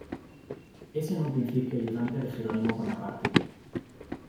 Es en un principio ayudante de Jerónimo Bonaparte.